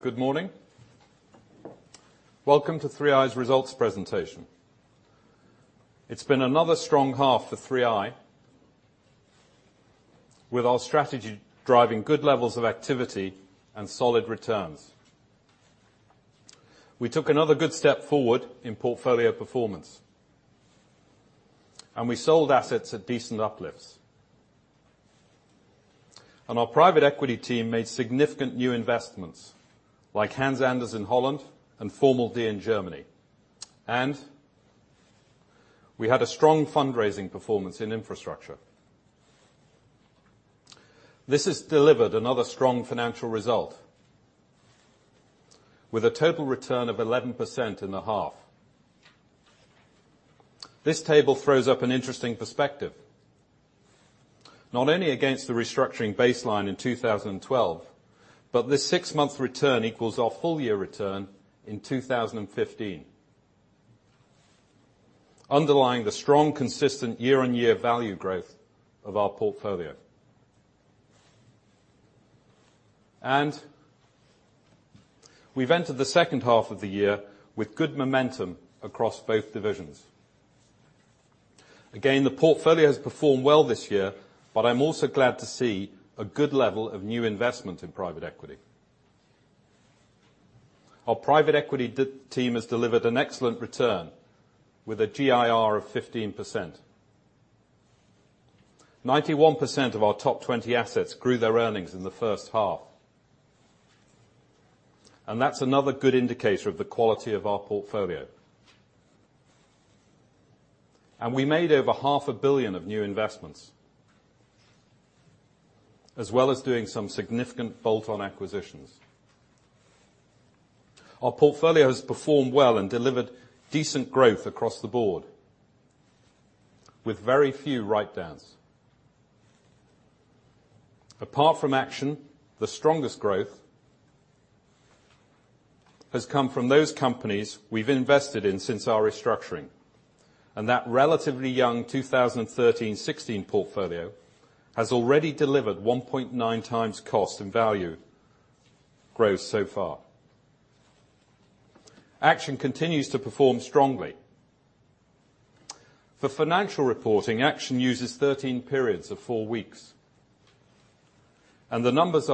Good morning. Welcome to 3i's results presentation. It's been another strong half for 3i, with our strategy driving good levels of activity and solid returns. We took another good step forward in portfolio performance and we sold assets at decent uplifts. Our private equity team made significant new investments like Hans Anders in Holland and Formel D in Germany. We had a strong fundraising performance in infrastructure. This has delivered another strong financial result with a total return of 11% in the half. This table throws up an interesting perspective, not only against the restructuring baseline in 2012, but this six-month return equals our full-year return in 2015, underlying the strong, consistent year-on-year value growth of our portfolio. We've entered the second half of the year with good momentum across both divisions. Again, the portfolio has performed well this year, but I'm also glad to see a good level of new investment in private equity. Our private equity team has delivered an excellent return with a GIR of 15%. 91% of our top 20 assets grew their earnings in the first half, and that's another good indicator of the quality of our portfolio. We made over GBP half a billion of new investments, as well as doing some significant bolt-on acquisitions. Our portfolio has performed well and delivered decent growth across the board with very few write-downs. Apart from Action, the strongest growth has come from those companies we've invested in since our restructuring, and that relatively young 2013/16 portfolio has already delivered 1.9 times cost and value growth so far. Action continues to perform strongly. For financial reporting, Action uses 13 periods of four weeks, and the numbers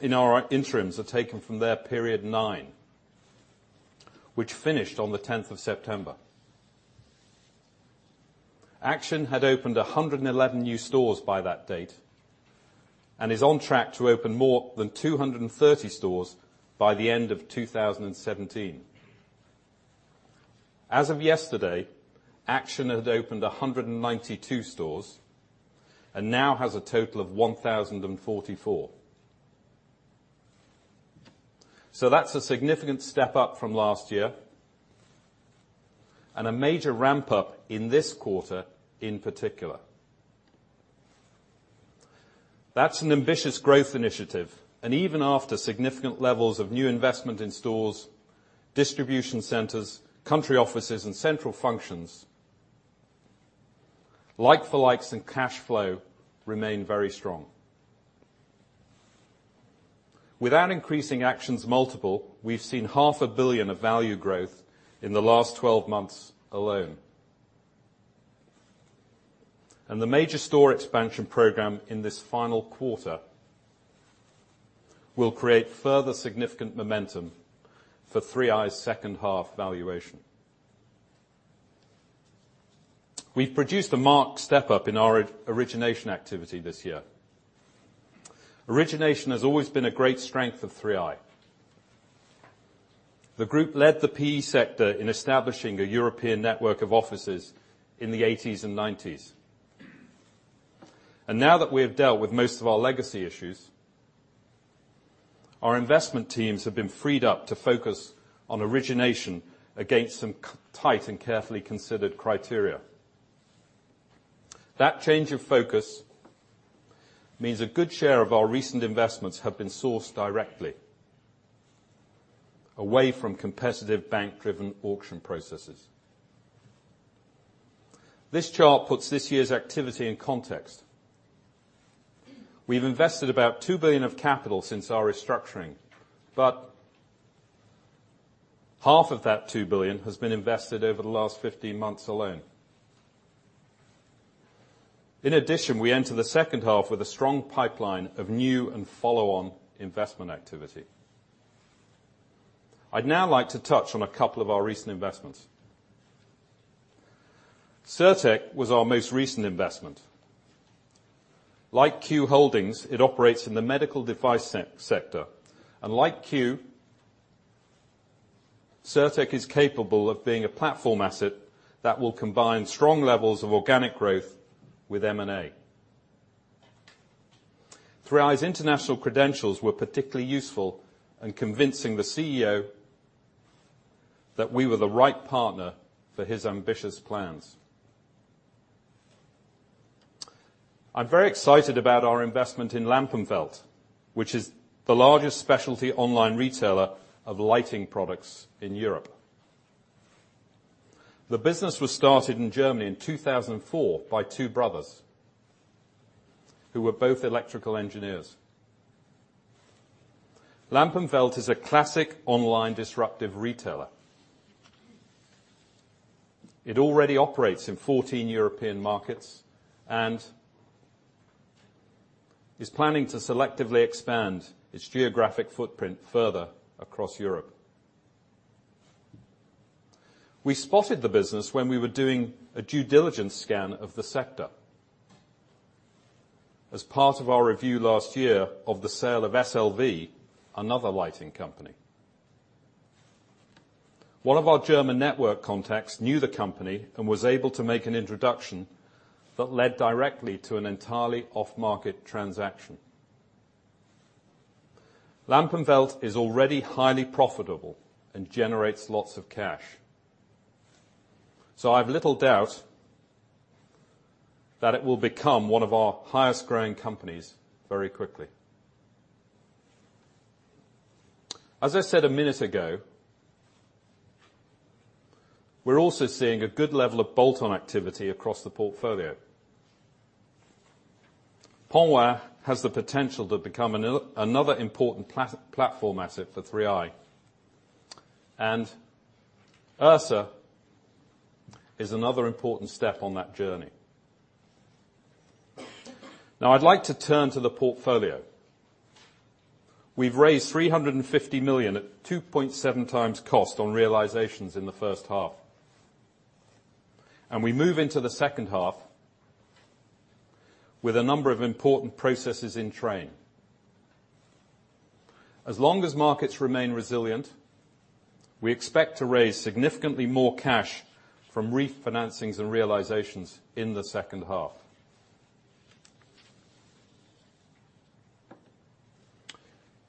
in our interims are taken from their period nine, which finished on the 10th of September. Action had opened 111 new stores by that date and is on track to open more than 230 stores by the end of 2017. As of yesterday, Action had opened 192 stores and now has a total of 1,044. That's a significant step up from last year and a major ramp-up in this quarter in particular. That's an ambitious growth initiative, and even after significant levels of new investment in stores, distribution centers, country offices and central functions, like-for-likes and cash flow remain very strong. Without increasing Action's multiple, we've seen GBP half a billion of value growth in the last 12 months alone. The major store expansion program in this final quarter will create further significant momentum for 3i's second-half valuation. We've produced a marked step-up in our origination activity this year. Origination has always been a great strength of 3i. The group led the PE sector in establishing a European network of offices in the '80s and '90s. Now that we have dealt with most of our legacy issues, our investment teams have been freed up to focus on origination against some tight and carefully considered criteria. That change of focus means a good share of our recent investments have been sourced directly away from competitive bank-driven auction processes. This chart puts this year's activity in context. We've invested about 2 billion of capital since our restructuring, but half of that 2 billion has been invested over the last 15 months alone. In addition, we enter the second half with a strong pipeline of new and follow-on investment activity. I'd now like to touch on a couple of our recent investments. SurTec was our most recent investment. Like Q Holding, it operates in the medical device sector, and like Q, SurTec is capable of being a platform asset that will combine strong levels of organic growth with M&A. 3i's international credentials were particularly useful in convincing the CEO that we were the right partner for his ambitious plans. I'm very excited about our investment in Lampenwelt, which is the largest specialty online retailer of lighting products in Europe. The business was started in Germany in 2004 by two brothers who were both electrical engineers. Lampenwelt is a classic online disruptive retailer. It already operates in 14 European markets and is planning to selectively expand its geographic footprint further across Europe. We spotted the business when we were doing a due diligence scan of the sector as part of our review last year of the sale of SLV, another lighting company. One of our German network contacts knew the company and was able to make an introduction that led directly to an entirely off-market transaction. Lampenwelt is already highly profitable and generates lots of cash. I have little doubt that it will become one of our highest growing companies very quickly. As I said a minute ago, we're also seeing a good level of bolt-on activity across the portfolio. Ponroy Santé has the potential to become another important platform asset for 3i, and Ersa is another important step on that journey. I'd like to turn to the portfolio. We've raised 350 million at 2.7 times cost on realizations in the first half. We move into the second half with a number of important processes in train. As long as markets remain resilient, we expect to raise significantly more cash from refinancings and realizations in the second half.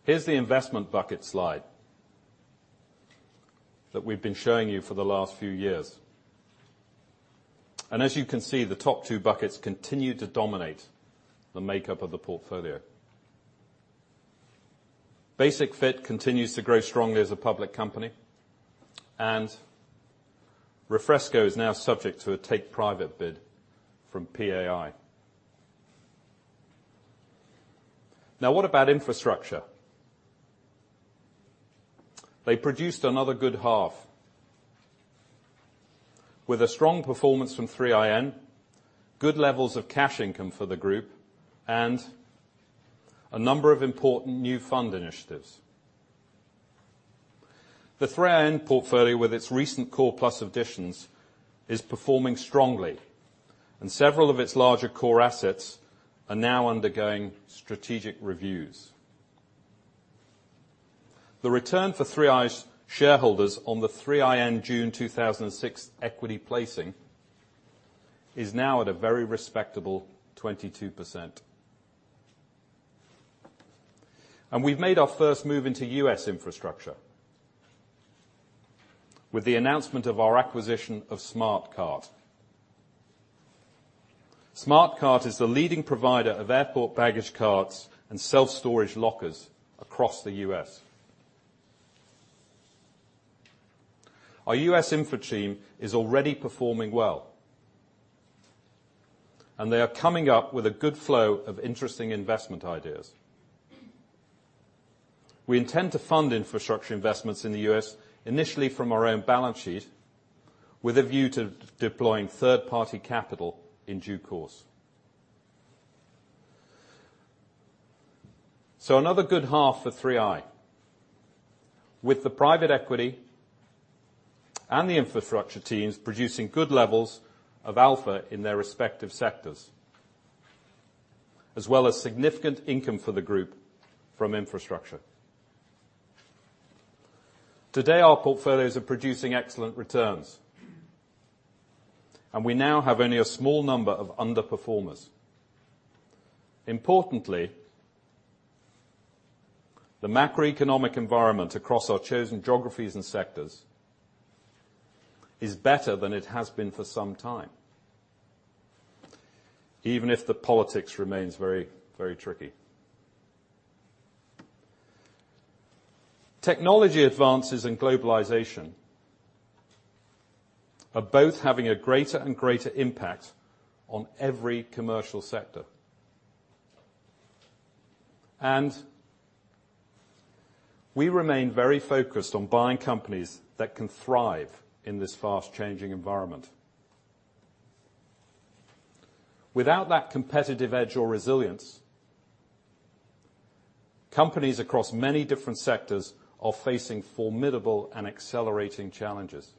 Here's the investment bucket slide that we've been showing you for the last few years. As you can see, the top two buckets continue to dominate the makeup of the portfolio. Basic-Fit continues to grow strongly as a public company, and Refresco is now subject to a take-private bid from PAI. What about infrastructure? They produced another good half, with a strong performance from 3iN, good levels of cash income for the group, and a number of important new fund initiatives. The 3iN portfolio, with its recent core-plus additions, is performing strongly, and several of its larger core assets are now undergoing strategic reviews. The return for 3i's shareholders on the 3iN June 2006 equity placing is now at a very respectable 22%. We've made our first move into U.S. infrastructure with the announcement of our acquisition of Smarte Carte. Smarte Carte is the leading provider of airport baggage carts and self-storage lockers across the U.S. Our U.S. infra team is already performing well, and they are coming up with a good flow of interesting investment ideas. We intend to fund infrastructure investments in the U.S. initially from our own balance sheet with a view to deploying third-party capital in due course. Another good half for 3i. With the private equity and the infrastructure teams producing good levels of alpha in their respective sectors, as well as significant income for the group from infrastructure. Today, our portfolios are producing excellent returns, and we now have only a small number of underperformers. Importantly, the macroeconomic environment across our chosen geographies and sectors is better than it has been for some time, even if the politics remains very tricky. Technology advances and globalization are both having a greater and greater impact on every commercial sector. We remain very focused on buying companies that can thrive in this fast-changing environment. Without that competitive edge or resilience, companies across many different sectors are facing formidable and accelerating challenges.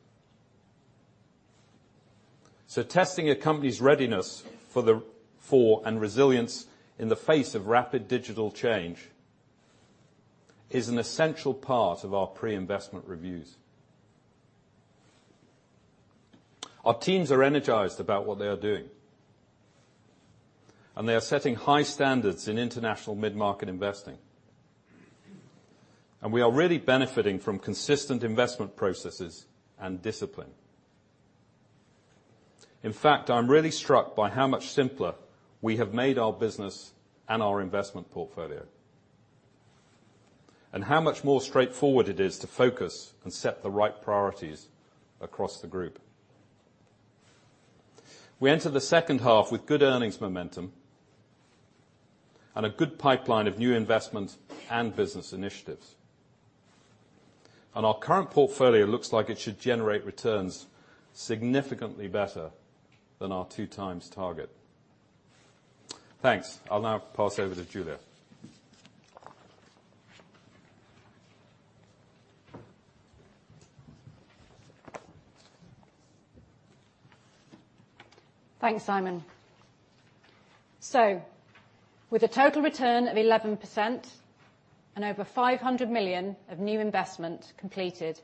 Testing a company's readiness for and resilience in the face of rapid digital change is an essential part of our pre-investment reviews. Our teams are energized about what they are doing, and they are setting high standards in international mid-market investing. We are really benefiting from consistent investment processes and discipline. In fact, I'm really struck by how much simpler we have made our business and our investment portfolio. How much more straightforward it is to focus and set the right priorities across the group. We enter the second half with good earnings momentum and a good pipeline of new investment and business initiatives. Our current portfolio looks like it should generate returns significantly better than our 2 times target. Thanks. I'll now pass over to Julia. Thanks, Simon. With a total return of 11% and over 500 million of new investment completed,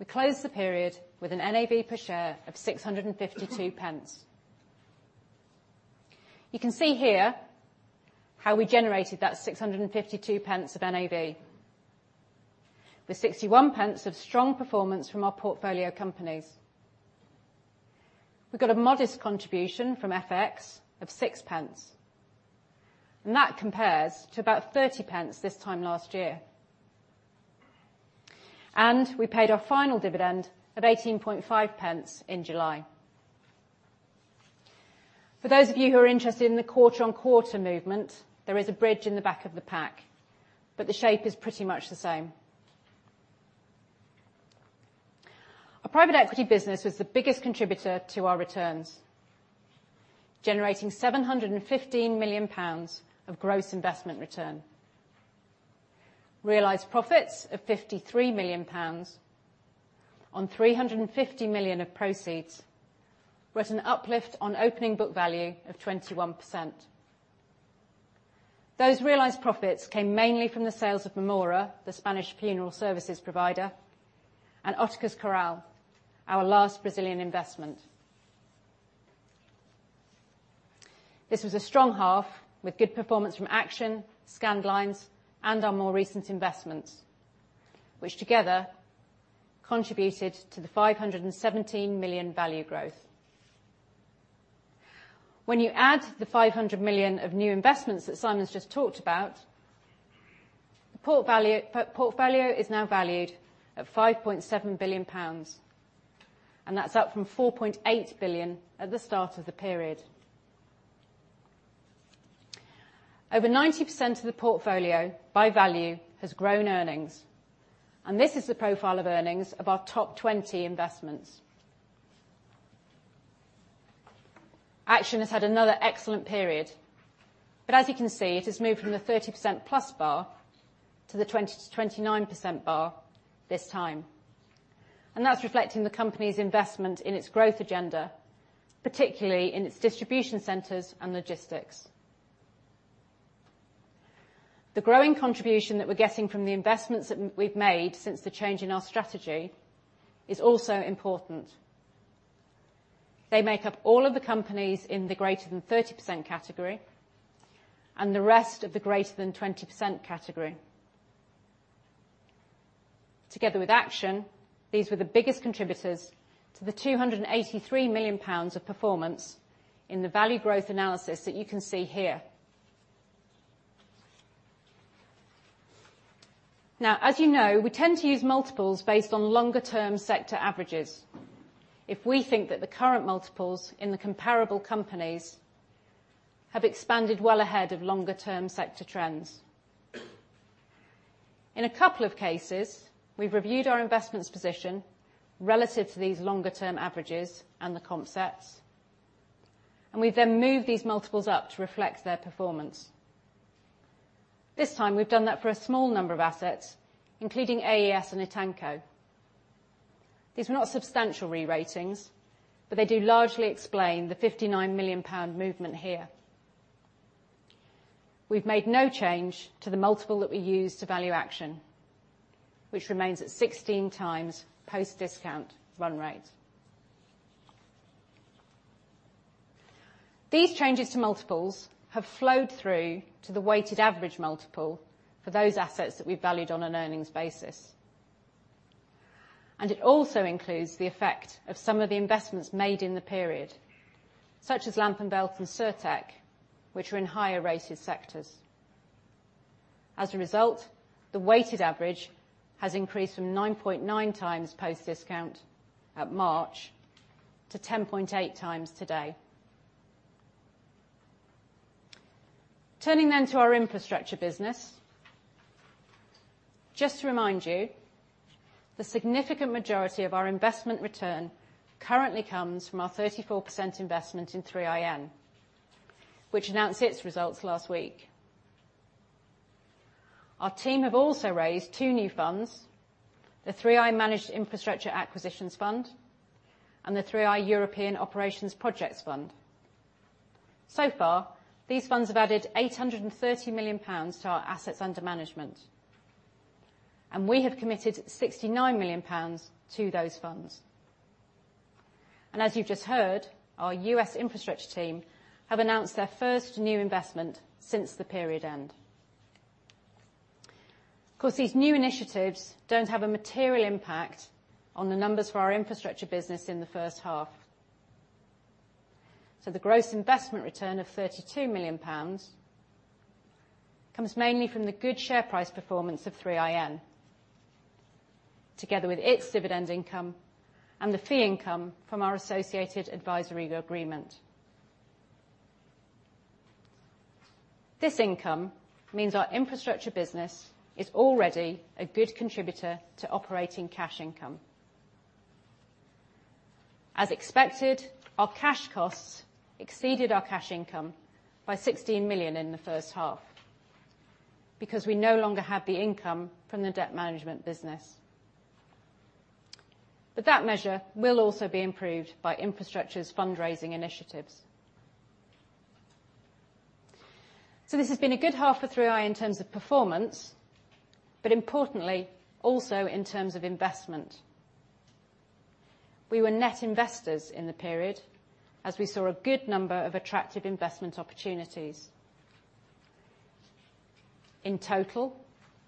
we closed the period with an NAV per share of 6.52. You can see here how we generated that 6.52 of NAV. With 0.61 of strong performance from our portfolio companies. We got a modest contribution from FX of 0.06. That compares to about 0.30 this time last year. We paid our final dividend of 0.185 in July. For those of you who are interested in the quarter-over-quarter movement, there is a bridge in the back of the pack, but the shape is pretty much the same. Our private equity business was the biggest contributor to our returns, generating 715 million pounds of gross investment return, realized profits of 53 million pounds on 350 million of proceeds, with an uplift on opening book value of 21%. Those realized profits came mainly from the sales of Mémora, the Spanish funeral services provider, and Óticas Carol, our last Brazilian investment. This was a strong half with good performance from Action, Scandlines, and our more recent investments, which together contributed to the 517 million value growth. When you add the 500 million of new investments that Simon's just talked about, portfolio is now valued at 5.7 billion pounds, and that's up from 4.8 billion at the start of the period. Over 90% of the portfolio by value has grown earnings, and this is the profile of earnings of our top 20 investments. Action has had another excellent period, but as you can see, it has moved from the 30%+ bar to the 20%-29% bar this time. That's reflecting the company's investment in its growth agenda, particularly in its distribution centers and logistics. The growing contribution that we're getting from the investments that we've made since the change in our strategy is also important. They make up all of the companies in the greater than 30% category and the rest of the greater than 20% category. Together with Action, these were the biggest contributors to the 283 million pounds of performance in the value growth analysis that you can see here. Now, as you know, we tend to use multiples based on longer term sector averages if we think that the current multiples in the comparable companies have expanded well ahead of longer term sector trends. In a couple of cases, we've reviewed our investments position relative to these longer term averages and the comp sets, and we've then moved these multiples up to reflect their performance. This time, we've done that for a small number of assets, including AES and Taenque. These were not substantial re-ratings, but they do largely explain the 59 million pound movement here. We've made no change to the multiple that we use to value Action, which remains at 16x post-discount run rate. These changes to multiples have flowed through to the weighted average multiple for those assets that we valued on an earnings basis. It also includes the effect of some of the investments made in the period, such as Lampenwelt and SurTec, which are in higher rated sectors. As a result, the weighted average has increased from 9.9x post-discount at March to 10.8x today. Turning to our infrastructure business. Just to remind you, the significant majority of our investment return currently comes from our 34% investment in 3iN, which announced its results last week. Our team have also raised two new funds, the 3i Managed Infrastructure Acquisitions Fund and the 3i European Operational Projects Fund. So far, these funds have added 830 million pounds to our assets under management, and we have committed 69 million pounds to those funds. As you've just heard, our U.S. infrastructure team have announced their first new investment since the period end. Of course, these new initiatives don't have a material impact on the numbers for our infrastructure business in the first half. The gross investment return of 32 million pounds comes mainly from the good share price performance of 3iN, together with its dividend income and the fee income from our associated advisory agreement. This income means our infrastructure business is already a good contributor to operating cash income. As expected, our cash costs exceeded our cash income by 16 million in the first half because we no longer had the income from the debt management business. That measure will also be improved by infrastructure's fundraising initiatives. This has been a good half for 3i in terms of performance, but importantly, also in terms of investment. We were net investors in the period as we saw a good number of attractive investment opportunities. In total,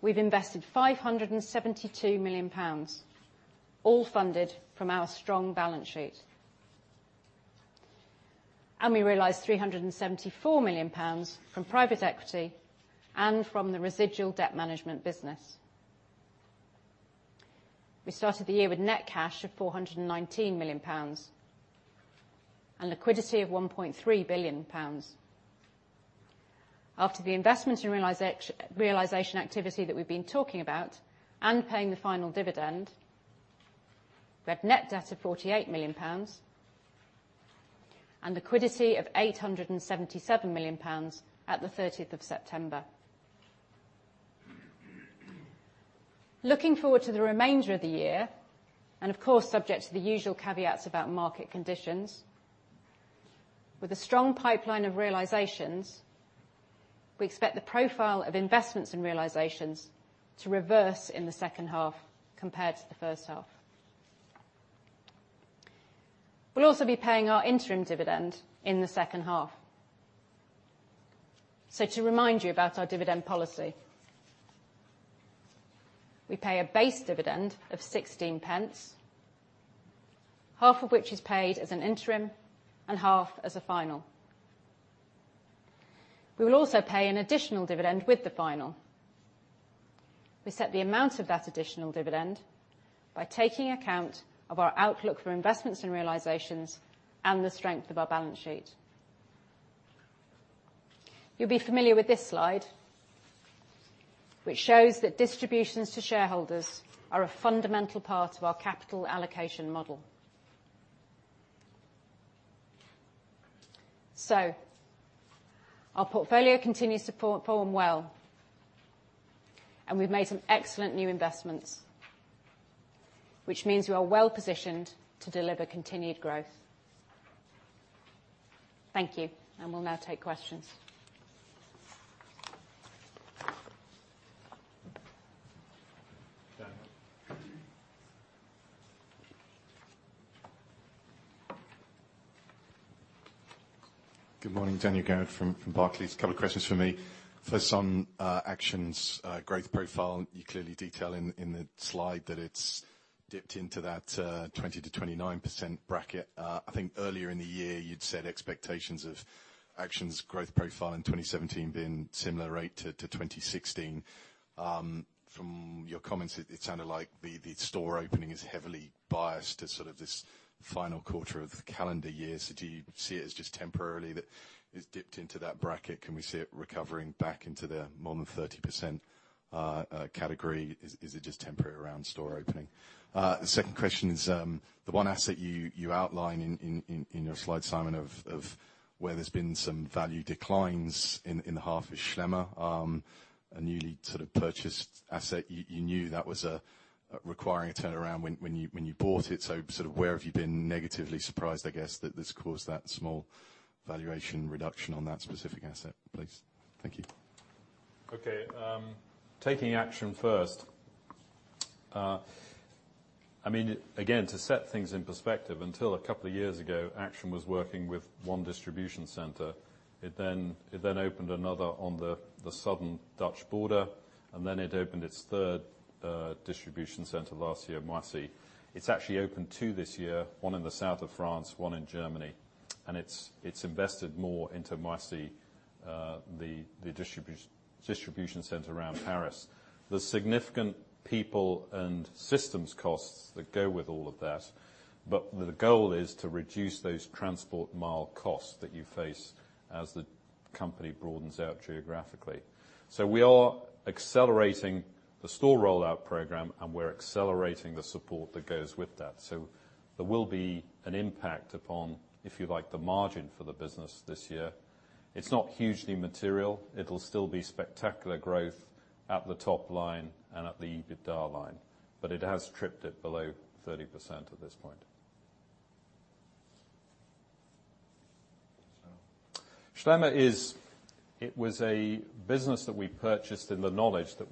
we've invested 572 million pounds, all funded from our strong balance sheet. We realized 374 million pounds from private equity and from the residual debt management business. We started the year with net cash of 419 million pounds and liquidity of 1.3 billion pounds. After the investments and realization activity that we have been talking about and paying the final dividend, we had net debt of GBP 48 million and liquidity of GBP 877 million at the 30th of September. Looking forward to the remainder of the year, and of course, subject to the usual caveats about market conditions, with a strong pipeline of realizations, we expect the profile of investments and realizations to reverse in the second half compared to the first half. We will also be paying our interim dividend in the second half. To remind you about our dividend policy, we pay a base dividend of 0.16, half of which is paid as an interim and half as a final. We will also pay an additional dividend with the final. We set the amount of that additional dividend by taking account of our outlook for investments and realizations and the strength of our balance sheet. You will be familiar with this slide, which shows that distributions to shareholders are a fundamental part of our capital allocation model. Our portfolio continues to perform well, and we have made some excellent new investments, which means we are well-positioned to deliver continued growth. Thank you. We will now take questions. Daniel. Good morning. Daniel Garrard from Barclays. A couple of questions from me. First on Action's growth profile, you clearly detail in the slide that it has dipped into that 20%-29% bracket. I think earlier in the year, you had said expectations of Action's growth profile in 2017 being similar rate to 2016. From your comments, it sounded like the store opening is heavily biased to sort of this final quarter of the calendar year. Do you see it as just temporarily that it has dipped into that bracket? Can we see it recovering back into the more than 30% category? Is it just temporary around store opening? Second question is, the one asset you outline in your slide, Simon, of where there has been some value declines in the half is Schlemmer, a newly sort of purchased asset. You knew that was requiring a turnaround when you bought it. Where have you been negatively surprised, I guess, that this caused that small valuation reduction on that specific asset, please? Thank you. Okay. Taking Action first, again, to set things in perspective, until a couple of years ago, Action was working with one distribution center. It then opened another on the southern Dutch border. It opened its third distribution center last year, Moissy. It's actually opened two this year, one in the south of France, one in Germany, and it's invested more into Moissy, the distribution center around Paris. There's significant people and systems costs that go with all of that, but the goal is to reduce those transport mile costs that you face as the company broadens out geographically. We are accelerating the store rollout program, and we're accelerating the support that goes with that. There will be an impact upon, if you like, the margin for the business this year. It's not hugely material. It'll still be spectacular growth at the top line and at the EBITDA line. It has tripped it below 30% at this point. So- Schlemmer, it was a business that we purchased in the knowledge that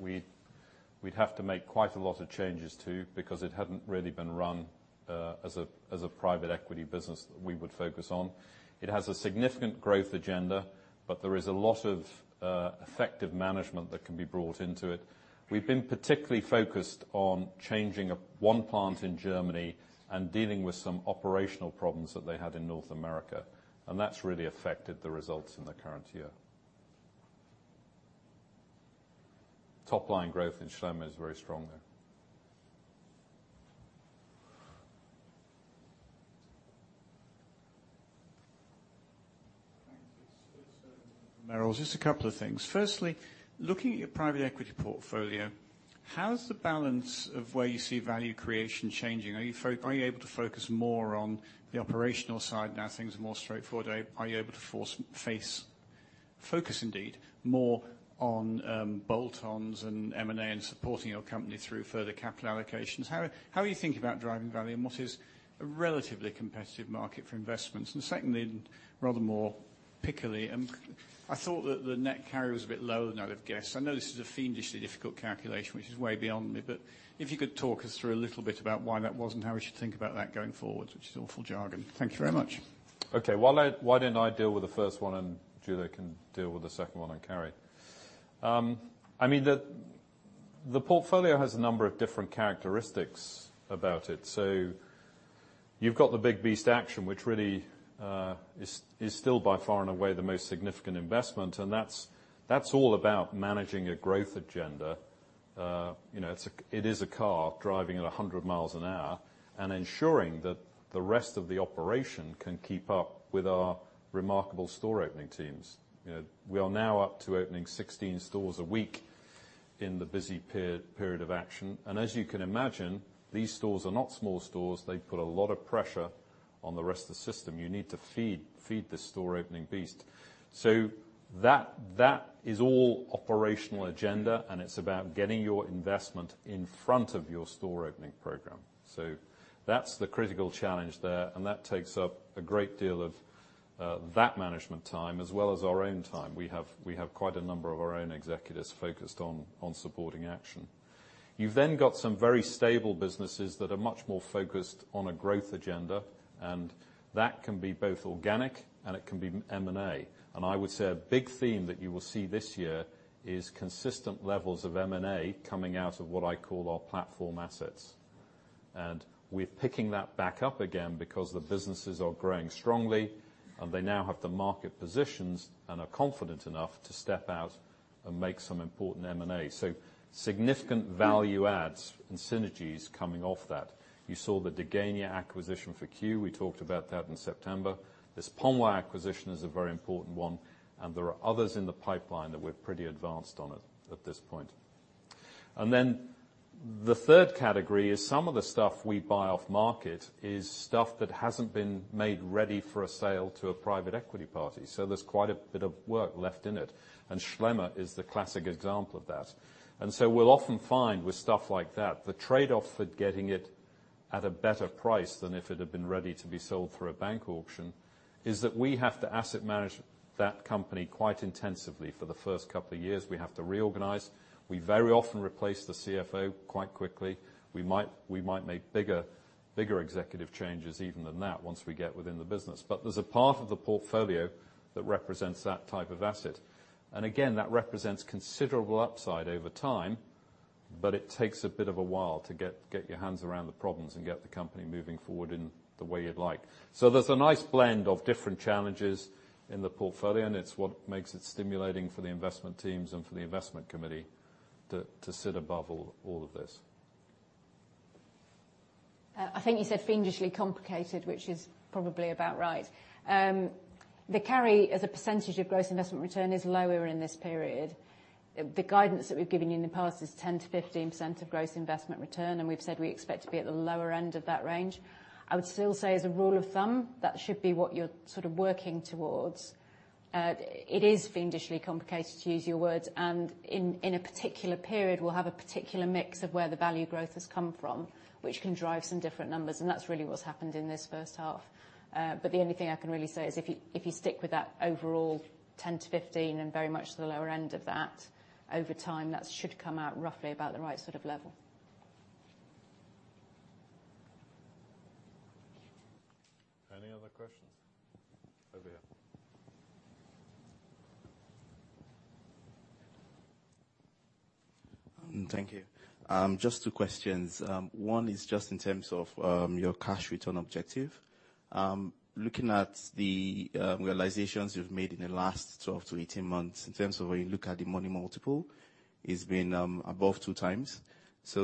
we'd have to make quite a lot of changes to because it hadn't really been run as a private equity business that we would focus on. It has a significant growth agenda, but there is a lot of effective management that can be brought into it. We've been particularly focused on changing one plant in Germany and dealing with some operational problems that they had in North America. That's really affected the results in the current year. Top line growth in Schlemmer is very strong there. Merrell, just a couple of things. Firstly, looking at your private equity portfolio, how's the balance of where you see value creation changing? Are you able to focus more on the operational side now things are more straightforward? Are you able to focus indeed more on bolt-ons and M&A and supporting your company through further capital allocations? How are you thinking about driving value in what is a relatively competitive market for investments? Secondly, and rather more pickily, I thought that the net carry was a bit lower than I'd have guessed. I know this is a fiendishly difficult calculation, which is way beyond me, but if you could talk us through a little bit about why that was and how we should think about that going forward, which is awful jargon. Thank you very much. Okay. Why don't I deal with the first one, Julia can deal with the second one on carry. The portfolio has a number of different characteristics about it. You've got the big beast Action, which really is still by far and away the most significant investment, and that's all about managing a growth agenda. It is a car driving at 100 miles an hour. Ensuring that the rest of the operation can keep up with our remarkable store opening teams. We are now up to opening 16 stores a week in the busy period of Action. As you can imagine, these stores are not small stores. They put a lot of pressure on the rest of the system. You need to feed the store opening beast. That is all operational agenda, and it's about getting your investment in front of your store opening program. That's the critical challenge there. That takes up a great deal of that management time as well as our own time. We have quite a number of our own executives focused on supporting Action. You've then got some very stable businesses that are much more focused on a growth agenda. That can be both organic. It can be M&A. I would say a big theme that you will see this year is consistent levels of M&A coming out of what I call our platform assets. We're picking that back up again because the businesses are growing strongly. They now have the market positions. Are confident enough to step out and make some important M&A. Significant value adds and synergies coming off that. You saw the Degania acquisition for Q. We talked about that in September. This Ponroy acquisition is a very important one. There are others in the pipeline that we're pretty advanced on it at this point. The third category is some of the stuff we buy off market is stuff that hasn't been made ready for a sale to a private equity party. There's quite a bit of work left in it, and Schlemmer is the classic example of that. We'll often find with stuff like that, the trade-off for getting it at a better price than if it had been ready to be sold through a bank auction is that we have to asset manage that company quite intensively for the first couple of years. We have to reorganize. We very often replace the CFO quite quickly. We might make bigger executive changes even than that once we get within the business. There's a part of the portfolio that represents that type of asset. Again, that represents considerable upside over time. It takes a bit of a while to get your hands around the problems. Get the company moving forward in the way you'd like. There's a nice blend of different challenges in the portfolio. It's what makes it stimulating for the investment teams. For the investment committee to sit above all of this. I think you said fiendishly complicated, which is probably about right. The carry as a percentage of gross investment return is lower in this period. The guidance that we've given you in the past is 10%-15% of gross investment return, and we've said we expect to be at the lower end of that range. I would still say as a rule of thumb, that should be what you're sort of working towards. It is fiendishly complicated, to use your words. In a particular period, we'll have a particular mix of where the value growth has come from, which can drive some different numbers, and that's really what's happened in this first half. The only thing I can really say is if you stick with that overall 10-15 and very much the lower end of that, over time, that should come out roughly about the right sort of level. Any other questions? Over here. Thank you. Just two questions. One is just in terms of your cash return objective. Looking at the realizations you've made in the last 12-18 months in terms of when you look at the money multiple, it's been above 2x.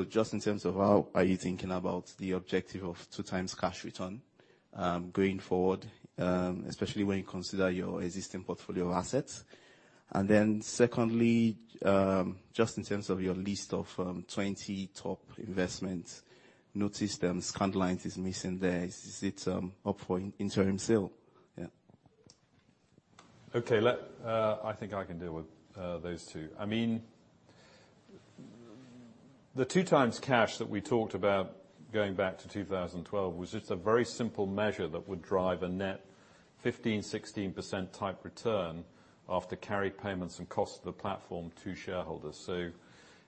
Just in terms of how are you thinking about the objective of 2x cash return going forward, especially when you consider your existing portfolio assets. Secondly, just in terms of your list of 20 top investments, noticed Scandlines is missing there. Is it up for interim sale? Yeah. Okay. I think I can deal with those two. The two times cash that we talked about going back to 2012 was just a very simple measure that would drive a net 15%-16% type return after carry payments and cost of the platform to shareholders.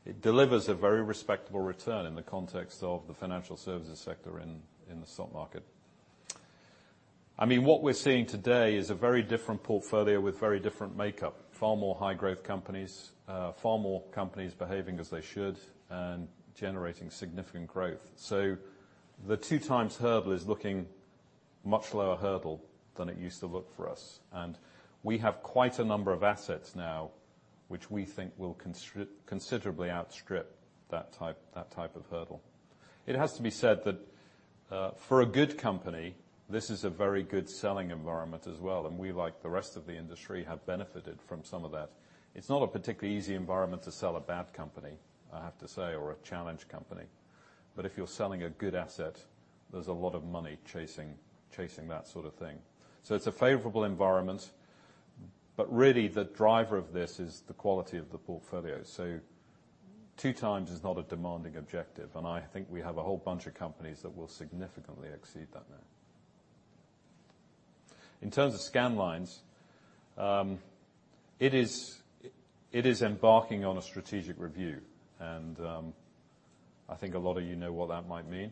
It delivers a very respectable return in the context of the financial services sector in the stock market. What we're seeing today is a very different portfolio with very different makeup, far more high growth companies, far more companies behaving as they should and generating significant growth. The two times hurdle is looking much lower hurdle than it used to look for us. We have quite a number of assets now which we think will considerably outstrip that type of hurdle. It has to be said that for a good company, this is a very good selling environment as well, and we, like the rest of the industry, have benefited from some of that. It's not a particularly easy environment to sell a bad company, I have to say, or a challenged company. If you're selling a good asset, there's a lot of money chasing that sort of thing. It's a favorable environment, but really the driver of this is the quality of the portfolio. Two times is not a demanding objective, and I think we have a whole bunch of companies that will significantly exceed that now. In terms of Scandlines, it is embarking on a strategic review, and I think a lot of you know what that might mean.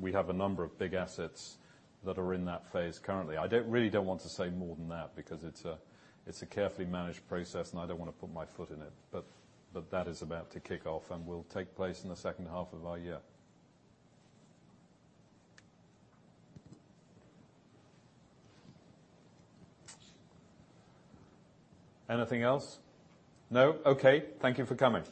We have a number of big assets that are in that phase currently. I really don't want to say more than that because it's a carefully managed process, and I don't want to put my foot in it. That is about to kick off and will take place in the second half of our year. Anything else? No? Okay. Thank you for coming.